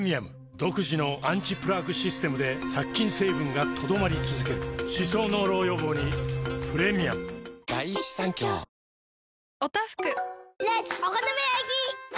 独自のアンチプラークシステムで殺菌成分が留まり続ける歯槽膿漏予防にプレミアム女性）